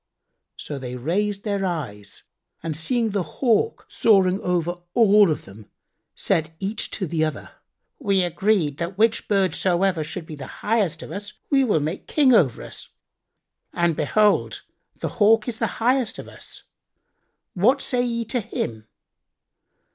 So they raised their eyes and seeing the Hawk soaring over them, said each to other, "We agreed that which bird soever should be the highest of us we will make king over us, and behold, the Hawk is the highest of us: what say ye to him?"